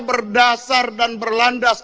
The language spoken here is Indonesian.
berdasar dan berlandas